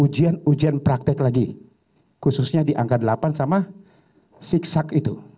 ujian ujian praktek lagi khususnya di angka delapan sama zigzag itu